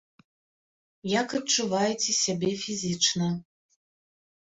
Як адчуваеце сябе фізічна?